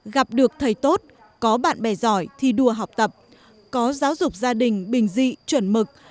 gặp được thầy tốt có bạn bè giỏi thi đua học tập có giáo dục gia đình bình dị chuẩn mực